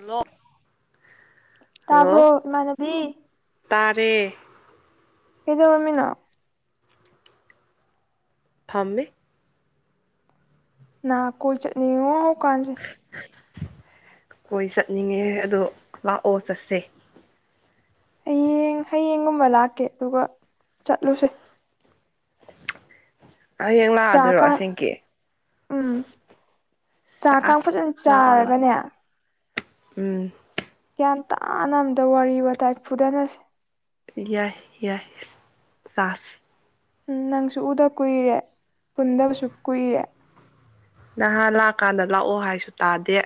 hello ꯇꯥꯕ꯭ꯔꯣ ꯏꯃꯥꯟꯅꯕꯤ ꯇꯔꯦ ꯀꯩꯗꯧꯔꯝꯃꯤꯅꯣ ꯐꯝꯃꯤ ꯅꯥ ꯀꯣꯏ ꯆꯠꯅꯤꯡꯉꯤꯅ ꯍꯧꯀꯥꯟꯖꯦ ꯀꯣꯏ ꯆꯠꯅꯤꯡꯉꯦ ꯑꯗꯣ ꯂꯥꯛꯑꯣ ꯆꯠꯁꯦ ꯍꯌꯦꯡ ꯍꯌꯦꯡꯒꯨꯝꯕ ꯂꯥꯛꯀꯦ ꯑꯗꯨꯒ ꯆꯠꯂꯨꯁꯦ ꯍꯌꯦꯡ ꯂꯥꯛꯑꯗꯣꯏꯔꯣ ꯆꯥꯛꯀꯥ ꯑꯁꯦꯡꯀꯤ ꯎꯝ ꯆꯥꯛ ꯀꯥ ꯑꯁ ꯐꯖꯅ ꯂꯥꯛꯑꯣ ꯂꯥꯛꯑꯣ ꯆꯥꯔꯒꯅꯦ ꯎꯝ ꯒ꯭ꯌꯥꯟ ꯇꯥꯅ ꯑꯝꯇ ꯋꯥꯔꯤ ꯋꯥꯇꯥꯏ ꯐꯨꯗꯅꯁꯦ ꯌꯥꯏ ꯌꯥꯏ ꯆꯥꯁꯤ ꯎꯝ ꯅꯪꯁꯨ ꯎꯗ ꯀꯨꯏꯔꯦ ꯄꯨꯟꯗꯕꯁꯨ ꯀꯨꯏꯔꯦ ꯅꯍꯥꯟ ꯂꯥꯛꯀꯥꯟꯗ ꯂꯥꯛꯑꯣ ꯍꯥꯏꯁꯨ ꯇꯥꯗꯦ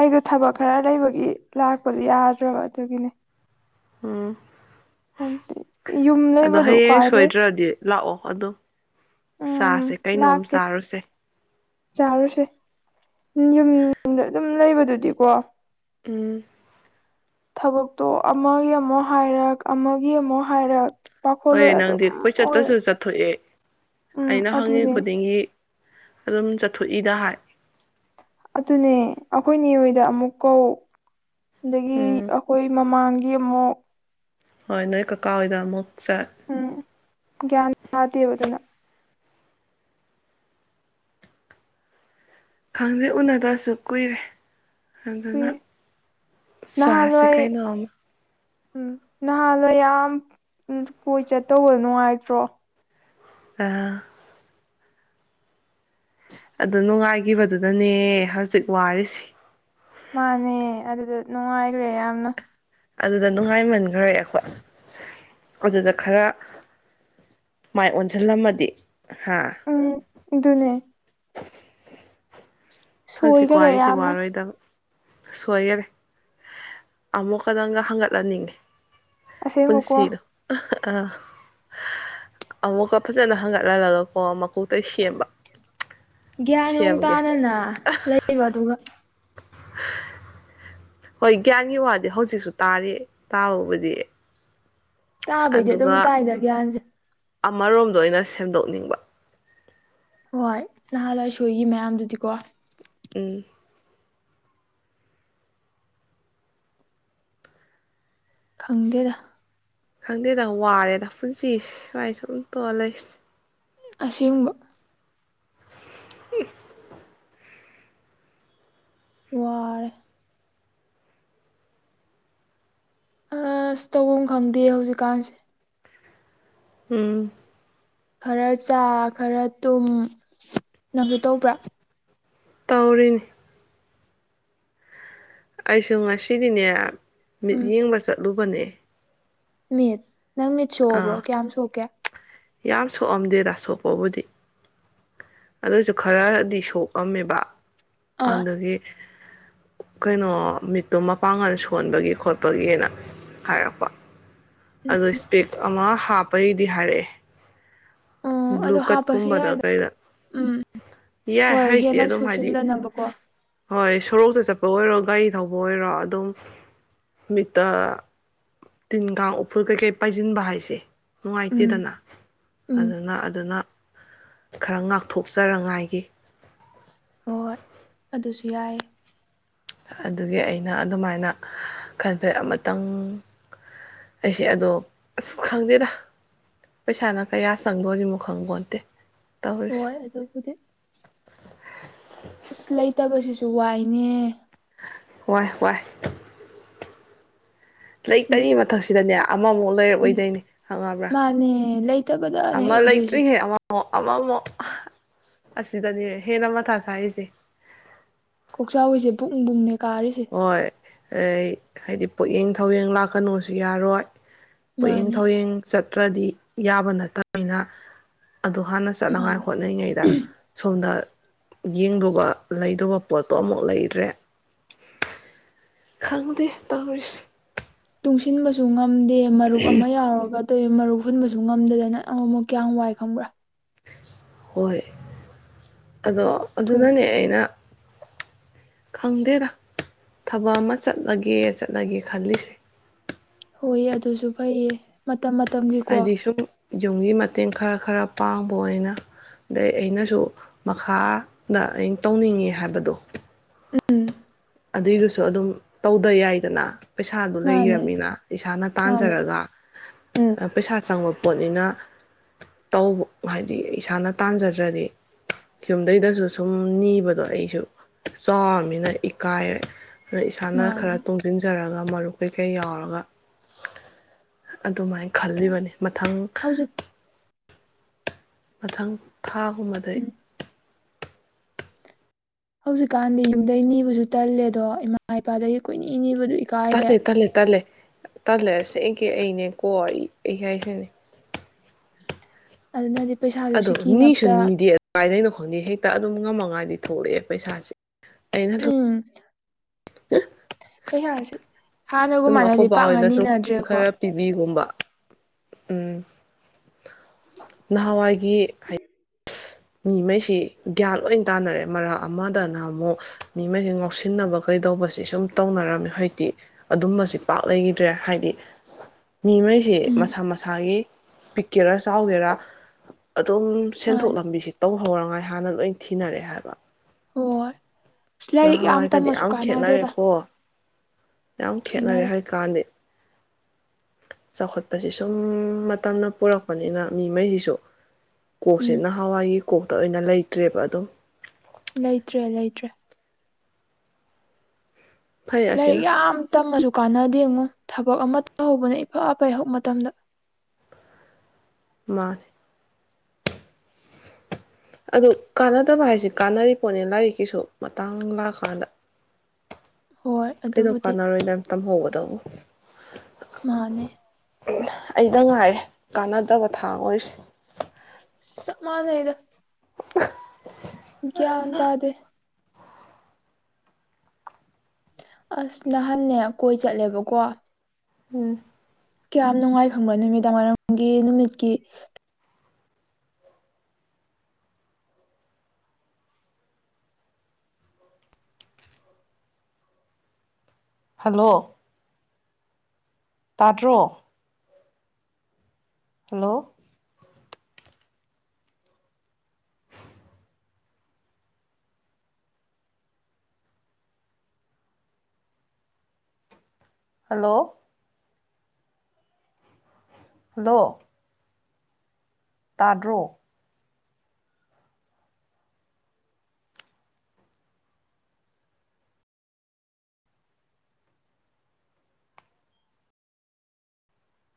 ꯑꯩꯗꯣ ꯊꯕꯛ ꯈꯔ ꯂꯩꯕꯒꯤ ꯂꯥꯛꯄꯗꯨ ꯌꯥꯗ꯭ꯔꯕ ꯑꯗꯨꯒꯤꯅꯦ ꯎꯝ ꯌꯨꯝ ꯑꯗꯣ ꯂꯩꯕꯗꯣ ꯍꯌꯦꯡ ꯈ꯭ꯋꯥꯏꯗꯩ ꯁꯣꯏꯗ꯭ꯔꯗꯤ ꯂꯥꯛꯑꯣ ꯑꯗꯨꯝ ꯎꯝ ꯆꯥꯁꯦ ꯀꯩꯅꯣꯝ ꯂꯥꯛꯀꯦ ꯆꯥꯔꯨꯁꯦ ꯆꯥꯔꯨꯁꯦ ꯌꯨꯝꯗ ꯑꯗꯨꯝ ꯂꯩꯕꯗꯨꯗꯤꯀꯣ ꯎꯝ ꯊꯕꯛꯇꯣ ꯑꯃꯒꯤ ꯑꯃꯨꯛ ꯍꯥꯏꯔꯛ ꯑꯃꯒꯤ ꯑꯃꯨꯛ ꯍꯥꯏꯔꯛ ꯍꯣꯏ ꯄꯥꯈꯣꯜꯂꯣꯏ ꯑꯗꯨꯝ ꯅꯪꯗꯤ ꯑꯣꯏꯔ ꯀꯣꯏꯆꯠꯇꯁꯨ ꯆꯠꯊꯣꯛꯑꯦ ꯎꯝ ꯑꯩꯅ ꯍꯪꯉꯤ ꯑꯗꯨꯅꯦ ꯈꯨꯗꯤꯡꯒꯤ ꯑꯗꯨꯝ ꯆꯠꯊꯣꯛꯏꯗ ꯍꯥꯏ ꯑꯗꯨꯅꯦ ꯑꯩꯈꯣꯏ ꯅꯦꯑꯣꯏꯗ ꯑꯃꯨꯛ ꯀꯧ ꯑꯗꯒꯤ ꯎꯝ ꯑꯩꯈꯣꯏ ꯃꯃꯥꯡꯒꯤ ꯑꯃꯨꯛ ꯍꯣꯏ ꯅꯣꯏ ꯀꯀꯥ ꯍꯣꯏꯗ ꯑꯃꯨꯛ ꯆꯠ ꯎꯝ ꯒꯌꯥꯟ ꯇꯥꯗꯦꯕ ꯑꯗꯨꯅ ꯈꯪꯗꯦ ꯎꯅꯗꯁꯨ ꯀꯨꯏꯔꯦ ꯑꯗꯨꯅ ꯀꯨꯏꯔꯦ ꯆꯥꯁꯦ ꯅꯍꯥꯟꯋꯥꯏ ꯀꯩꯅꯣꯝ ꯎꯝ ꯅꯍꯥꯟꯗꯣ ꯌꯥꯝ ꯀꯣꯏ ꯆꯠꯇꯧꯕ ꯅꯨꯡꯉꯥꯏꯇ꯭ꯔꯣ ꯑꯥ ꯑꯗꯨ ꯅꯨꯡꯉꯥꯏꯈꯤꯕꯗꯨꯅꯅꯦ ꯍꯧꯖꯤꯛ ꯋꯥꯔꯤꯁꯤ ꯃꯥꯅꯦ ꯑꯗꯨꯗ ꯅꯨꯡꯉꯥꯏꯈ꯭ꯔꯦ ꯌꯥꯝꯅ ꯑꯗꯨꯗ ꯅꯨꯡꯉꯥꯏꯃꯟꯈ꯭ꯔꯦ ꯑꯩꯈꯣꯏ ꯑꯗꯨꯗ ꯈꯔ ꯑꯗꯨꯗ ꯅꯨꯡꯉꯥꯏꯃꯟꯈ꯭ꯔꯦ ꯑꯩꯈꯣꯏ ꯑꯗꯨꯗ ꯈꯔ ꯃꯥꯏ ꯑꯣꯟꯁꯤꯜꯂꯝꯃꯗꯤ ꯍꯥ ꯎꯝ ꯑꯗꯨꯅꯦ ꯍꯧꯖꯤꯛ ꯁꯣꯏꯈꯔꯦ ꯋꯥꯔꯤꯁꯤ ꯌꯥꯝꯅ ꯋꯥꯔꯣꯏꯗꯕꯅꯦ ꯁꯣꯏꯔꯦꯟ ꯑꯃꯨꯛꯀꯗꯪꯗ ꯍꯪꯒꯠꯍꯟꯅꯤꯡꯉꯤ ꯑꯁꯦꯡꯕꯀꯣ ꯄꯨꯟꯁꯤꯗꯣ ꯑ ꯑꯃꯨꯛꯀ ꯐꯖꯅ ꯍꯪꯒꯠꯍꯜꯂꯒꯀꯣ ꯃꯀꯨ ꯒ꯭ꯌꯥꯟ ꯅꯨꯡ ꯁꯦꯝꯒꯦ ꯇꯥꯗꯅ ꯂꯩꯕ ꯑꯗꯨꯒ [inaudible] ꯍꯣꯏ ꯒ꯭ꯌꯥꯟꯒꯤ ꯋꯥꯗꯤ ꯍꯧꯖꯤꯛꯁꯨ ꯇꯥꯔꯤ ꯇꯥꯕꯕꯨꯗꯤ ꯇꯥꯕꯩꯗꯤ ꯑꯗꯨꯒ ꯑꯗꯨꯝ ꯇꯥꯏꯗ ꯒ꯭ꯌꯥꯟꯁꯦ ꯑꯃꯔꯣꯝꯗ ꯑꯣꯏꯅ ꯁꯦꯝꯗꯣꯛꯅꯤꯡꯕ ꯍꯣꯏ ꯅꯍꯥꯟ ꯂꯣꯏꯁꯣꯏꯒꯤ ꯃꯌꯥꯝꯗꯨꯗꯤꯀꯣ ꯎꯝ ꯈꯪꯗꯦꯗ ꯈꯪꯗꯦꯗ ꯋꯥꯔꯦꯗ ꯄꯨꯟꯁꯤꯁꯦ ꯁꯨꯋꯥꯥꯏ ꯁꯨꯝ ꯇꯣꯔ ꯂꯩꯁꯦ ꯑꯁꯦꯡꯕ ꯍꯝ ꯋꯥꯢ ꯑꯁ ꯇꯧꯐꯝ ꯈꯪꯗꯦ ꯍꯧꯖꯤꯛꯀꯥꯟꯁꯦ ꯎꯝ ꯈꯔ ꯆꯥ ꯈꯔ ꯇꯨꯝ ꯅꯪꯁꯨ ꯇꯧꯕ꯭ꯔꯥ ꯇꯧꯔꯤꯅꯤ ꯑꯩꯁꯨ ꯉꯁꯤꯗꯤꯅꯦ ꯎꯝ ꯃꯤꯠꯌꯦꯡꯕ ꯆꯠꯂꯨꯕꯅꯦ ꯃꯤꯠ ꯅꯪ ꯃꯤꯠ ꯁꯣꯛꯑꯕ꯭ꯔꯣ ꯑꯥ ꯀꯌꯥꯝ ꯁꯣꯛꯀꯦ ꯌꯥꯝ ꯁꯣꯛꯑꯝꯗꯦꯗ ꯁꯣꯛꯄꯕꯨꯗꯤ ꯑꯗꯨꯁꯨ ꯈꯔꯗꯤ ꯁꯣꯛꯑꯝꯃꯦꯕ ꯑꯥ ꯑꯗꯒꯤ ꯀꯩꯅꯣ ꯃꯤꯠꯇꯣ ꯃꯄꯥꯡꯒꯜ ꯁꯣꯟꯕꯒꯤ ꯈꯣꯠꯄꯒꯤꯅ ꯍꯥꯏꯔꯛꯄ ꯑꯗꯣ ꯏꯁꯄꯦꯛ ꯑꯃ ꯍꯥꯞꯄꯒꯤꯗꯤ ꯍꯥꯏꯔꯛꯑꯦ ꯎꯝ ꯑꯗꯣ ꯍꯥꯞꯄꯁꯨ ꯕ꯭ꯂꯨꯀꯠꯀꯨꯝꯕꯗ ꯌꯥꯏꯗ ꯀꯩꯗ ꯎꯝ ꯌꯥꯏ ꯍꯣꯏ ꯍꯩꯇꯦ ꯍꯦꯟꯅ ꯑꯗꯨꯝ ꯍꯥꯏꯗꯤ ꯁꯣꯛꯆꯤꯟꯗꯅꯕꯀꯣ ꯍꯣꯏ ꯁꯣꯔꯣꯛꯇ ꯆꯠꯄ ꯑꯣꯏꯔꯣ ꯒꯥꯔꯤ ꯊꯧꯕ ꯑꯣꯏꯔꯣ ꯑꯗꯨꯝ ꯃꯤꯠꯇ ꯇꯤꯟ ꯀꯥꯡ ꯎꯐꯨꯜ ꯀꯩꯀꯩ ꯄꯥꯏꯁꯤꯟꯕ ꯍꯥꯏꯁꯦ ꯎꯝ ꯅꯨꯡꯉꯥꯏꯇꯦꯗꯅ ꯎꯝ ꯑꯗꯨꯅ ꯑꯗꯨꯅ ꯈꯔ ꯉꯥꯛꯊꯣꯛꯆꯔꯉꯥꯏꯒꯤ ꯍꯣꯏ ꯑꯗꯨꯁꯨ ꯌꯥꯏ ꯑꯗꯨꯒꯤ ꯑꯩꯅ ꯑꯗꯨꯃꯥꯏꯅ ꯈꯟꯕꯩ ꯑꯃꯇꯪ ꯑꯩꯁꯦ ꯑꯗꯣ ꯑꯁ ꯈꯪꯗꯦꯗ ꯄꯩꯁꯥꯅ ꯀꯌꯥ ꯆꯪꯗꯣꯏꯔꯤꯅꯣ ꯈꯪꯕꯣꯟꯇꯦ ꯍꯣꯏ ꯑꯗꯨꯕꯨꯗꯤ ꯏꯁ ꯂꯩꯇꯕ ꯁꯤꯁꯨ ꯋꯥꯏꯅꯦ ꯍꯣꯏ ꯍꯣꯏ ꯎꯝ ꯂꯩꯇꯔꯤ ꯃꯊꯛꯁꯤꯗꯅꯦ ꯑꯃꯃꯨꯛ ꯎꯝ ꯂꯩꯔꯛꯑꯣꯏꯗꯩꯏꯅꯦ ꯈꯪꯉꯕ꯭ꯔꯥ ꯃꯥꯅꯦ ꯂꯩꯇꯕꯗꯅꯦ ꯑꯃ ꯑꯣꯏꯗꯣꯏꯁꯦ ꯂꯩꯥꯏꯇ꯭ꯔꯤꯉꯩ ꯑꯃꯃꯨꯛ ꯑꯃ ꯑꯃꯛ ꯑꯁꯤꯗꯅꯤ ꯍꯦꯟꯅ ꯃꯊꯥ ꯆꯥꯏꯔꯤꯁꯦ ꯀꯣꯛꯆꯥꯎꯕꯤꯁꯦ ꯕꯨꯡ ꯕꯨꯡꯅꯦ ꯀꯥꯔꯤꯁꯦ ꯑꯩꯢ ꯍꯥꯏꯗꯤ ꯄꯣꯌꯦꯡ ꯊꯧꯋꯦꯡ ꯂꯥꯛꯀꯅꯨꯁꯨ ꯌꯥꯔꯣꯏ ꯄꯨꯛꯌꯦꯡ ꯃꯥꯅꯦ ꯊꯧꯋꯦꯡ ꯆꯠ ꯇ꯭ꯔꯗꯤ ꯌꯥꯕ ꯅꯠꯇꯕꯅꯤꯅ ꯑꯗꯨ ꯍꯥꯟꯅ ꯆꯠꯅꯉꯥꯏ ꯃꯥꯅꯦ ꯍꯣꯠꯅꯉꯩꯗ ꯁꯣꯝꯗ ꯌꯦꯡꯗꯨꯕ ꯂꯩꯗꯧꯕ ꯄꯣꯠꯇꯣ ꯑꯃꯨꯛ ꯂꯩꯗ꯭ꯔꯦ ꯈꯪꯗꯦ ꯇꯧꯔꯤꯁꯤ ꯇꯨꯡꯁꯤꯟꯕꯁꯨ ꯉꯝꯗꯦ ꯃꯔꯨꯞ ꯑꯃ ꯌꯥꯎꯔꯒ ꯇꯦ ꯃꯔꯨꯞ ꯍꯨꯟꯕꯁꯨ ꯉꯝꯗꯗꯅ ꯑꯃꯨꯨꯃꯨꯛ ꯀ꯭ꯌꯥꯝ ꯋꯥꯏ ꯈꯪꯕ꯭ꯔꯥ ꯍꯣꯏ ꯑꯗꯣ ꯑꯗꯨ ꯊꯣꯛ ꯅꯪꯪ ꯑꯩꯅ ꯈꯪꯗꯦꯗ ꯊꯕꯛ ꯑꯃ ꯆꯠꯂꯒꯦ ꯆꯠꯂꯒꯦ ꯈꯜꯂꯤꯁꯦ ꯍꯣꯏꯌꯦ ꯑꯗꯨꯁꯨ ꯐꯩꯌꯦ ꯃꯇꯝ ꯃꯇꯝꯒꯤꯀꯣ ꯍꯥꯏꯗꯤ ꯁꯨꯝ ꯌꯨꯝꯒꯤ ꯃꯇꯦꯡ ꯈꯔ ꯈꯔ ꯄꯥꯡꯕ ꯑꯣꯏꯅ ꯗꯩ ꯑꯩꯅꯁꯨ ꯃꯈꯥ ꯗ ꯑꯩꯅ ꯇꯧꯅꯤꯡꯉꯤ ꯍꯥꯏꯕꯗꯣ ꯎꯝ ꯑꯗꯨꯏꯗꯨꯁꯨ ꯑꯗꯨꯝ ꯇꯧꯗ ꯌꯥꯏꯗꯅ ꯄꯩꯁꯥꯗꯨ ꯃꯥꯅꯦ ꯂꯩꯔꯃꯤꯅ ꯏꯁꯥꯅ ꯃꯥꯅꯦ ꯇꯥꯟꯖꯔꯒ ꯎꯝ ꯄꯩꯁꯥ ꯆꯪꯉꯣ ꯄꯣꯠꯅꯤꯅ ꯇꯧ ꯍꯥꯏꯗꯤ ꯏꯁꯥꯅ ꯇꯟꯖꯗ꯭ꯔꯗꯤ ꯌꯨꯝꯗꯩꯗꯁꯨ ꯁꯨꯝ ꯅꯤꯕꯗꯣ ꯑꯩꯁꯨ ꯆꯥꯎꯔꯃꯤꯅ ꯏꯛ ꯀꯥꯏꯔꯦ ꯏꯁꯥꯅ ꯃꯥꯅꯦ ꯈꯔ ꯇꯣꯡꯁꯤꯟꯖꯔ ꯒ ꯃꯔꯨꯞ ꯀꯩꯀꯩ ꯌꯥꯎꯔꯒ ꯑꯗꯨꯃꯥꯏ ꯈꯜꯂꯤꯕꯅꯤ ꯃꯊꯪ ꯍꯧꯖꯤꯛ ꯃꯊꯪ ꯊꯥꯒꯨꯝꯕꯗꯩ ꯎꯝ ꯍꯧꯖꯤꯛꯀꯥꯟꯗꯤ ꯌꯨꯝꯗꯩ ꯅꯤꯕꯁꯨ ꯇꯜꯂꯦꯗꯣ ꯏꯃꯥ ꯏꯄꯥꯗꯒꯤ ꯀꯣꯏꯅꯤ ꯅꯤꯕꯗꯨ ꯏꯀꯥꯏꯔꯦ ꯇꯜꯂꯦ ꯇꯜꯂꯦ ꯇꯜꯂꯦ ꯇꯜꯂꯦ ꯑꯁꯦꯡꯀꯤ ꯑꯩꯅꯦꯀꯣ ꯑꯩ ꯍꯥꯏꯁꯤꯅꯤ ꯑꯗꯨꯅꯗꯤ ꯄꯩꯁꯥꯁꯨ ꯑꯗꯣ ꯅꯤꯁꯨ ꯁꯤꯀꯤꯅꯕꯇ ꯅꯤꯗꯦ ꯑꯗꯨꯃꯥꯏꯅ ꯅꯤ ꯍꯦꯛꯇ ꯑꯗꯨꯝ ꯉꯝꯃꯉꯥꯏꯗꯤ ꯊꯣꯛꯂꯛꯑꯦ ꯄꯩꯁꯥꯁꯦ ꯑꯩꯅ ꯎꯝ ꯑꯦ [inaudible] ꯄꯩꯁꯥꯁꯤ ꯍꯥꯅꯒꯨꯝ ꯃꯥꯅꯗꯤ ꯕꯥ ꯄꯥꯛꯅ ꯍꯣꯏꯅ ꯁꯨꯝ ꯅꯤꯅꯗ꯭ꯔꯦꯀꯣ ꯈꯔ ꯄꯤꯕꯤꯒꯨꯝꯕ ꯎꯝ ꯅꯍꯋꯥꯏꯒꯤ ꯍꯥꯏ ꯃꯤꯃꯩꯁꯤ ꯒ꯭ꯌꯥꯟ ꯂꯣꯏ ꯇꯥꯅꯔꯦ ꯃꯔꯛ ꯑꯃꯗ ꯅꯍꯥꯟꯃꯨꯛ ꯃꯤꯃꯩ ꯉꯥꯎꯁꯤꯟꯅꯕꯈꯩ ꯀꯩꯗꯧꯕꯁꯦ ꯁꯨꯝ ꯇꯧꯅꯔꯝꯃꯦ ꯍꯩꯇꯤ ꯑꯗꯨꯝꯕꯁꯤ ꯄꯥꯛ ꯂꯩꯈꯤꯗ꯭ꯔꯦ ꯍꯥꯏꯗꯤ [inaudible] ꯃꯤꯃꯩꯁꯤ ꯎꯝ ꯃꯁꯥ ꯃꯁꯥꯒꯤ ꯄꯤꯛꯀꯦꯔꯥ ꯆꯥꯎꯒꯦꯔꯥ ꯑꯗꯨꯝ ꯁꯦꯟꯊꯣꯛ ꯃꯥꯅꯦ ꯂꯝꯕꯤꯁꯤ ꯇꯧꯍꯧꯔꯉꯥꯏ ꯍꯥꯟꯅ ꯂꯣꯏ ꯊꯤꯅꯔꯛꯑꯦ ꯍꯥꯏꯕ ꯍꯣꯏ ꯑꯁ ꯂꯥꯏꯔꯤꯛ ꯅꯍꯋꯥꯏꯒꯗꯤ ꯇꯝꯃꯁꯨ ꯌꯥꯝ ꯀꯥꯟꯅꯗꯦꯗ ꯈꯦꯠꯅꯔꯦꯀꯣ ꯌꯥꯝ ꯈꯦꯠꯅꯔꯦ ꯍꯥꯏ ꯀꯥꯟꯗꯦ ꯆꯥꯎꯈꯠꯄꯁꯦ ꯁꯨꯝ ꯃꯇꯝꯅ ꯄꯨꯔꯛꯄꯅꯤꯅ ꯃꯤ ꯃꯩꯁꯤꯁꯨ ꯀꯣꯛꯁꯤ ꯎꯝ ꯅꯍꯋꯥꯏꯒꯤ ꯀꯣꯛꯇ ꯑꯣꯏꯅ ꯂꯩꯇ꯭ꯔꯦꯕ ꯑꯗꯨꯝ ꯂꯩꯇ꯭ꯔꯦ ꯂꯩꯇ꯭ꯔꯦ ꯐꯩ ꯂꯥꯏꯔꯤꯛ ꯑꯁꯤꯅ ꯌꯥꯝ ꯇꯝꯃꯁꯨ ꯀꯥꯟꯅꯗꯦ ꯉꯣ ꯊꯕꯛ ꯑꯃ ꯇꯍꯧꯕꯅ ꯏꯐ ꯐꯩ ꯍꯧ ꯃꯇꯝꯗ ꯃꯅꯦ [inaudible] ꯑꯗꯨ ꯀꯥꯟꯅꯗꯕ ꯍꯥꯏꯁꯦ ꯀꯥꯟꯅꯔꯤ ꯄꯣꯠꯅꯦ ꯂꯥꯏꯔꯤꯛꯀꯤꯁꯨ ꯃꯇꯥꯡ ꯂꯥꯛꯑꯀꯥꯟꯗ ꯍꯣꯏ ꯀꯩꯗꯧ ꯑꯗꯨꯕꯨꯗꯤ ꯀꯥꯟꯅꯔꯣꯏ ꯅꯝ ꯇꯝꯍꯧꯒꯗꯧ ꯃꯥꯅꯦ ꯑꯩꯗꯪ ꯉꯥꯏꯔꯦ ꯀꯥꯟꯅꯗꯕ ꯊꯥꯡ ꯑꯣꯏꯔꯤꯁꯤ ꯆꯞ ꯃꯥꯟꯅꯩꯗ ꯒ꯭ꯌꯥꯟ ꯇꯥꯗꯦ ꯑꯁ ꯅꯍꯥꯟꯅꯦ ꯀꯣꯏ ꯆꯠꯂꯦꯕꯀꯣ ꯎꯝ ꯀ꯭ꯌꯥꯝ ꯅꯨꯡꯉꯥꯏ ꯈꯪꯕ꯭ꯔꯣ ꯅꯨꯃꯤꯗꯥꯡꯋꯥꯏꯔꯝꯒꯤ ꯅꯨꯃꯤꯠꯀꯤ ꯍꯜꯂꯣ ꯇꯥꯗ꯭ꯔꯣ ꯍꯜꯂꯣ ꯍꯜꯂꯣ ꯍꯜꯂꯣ ꯇꯥꯗ꯭ꯔꯣ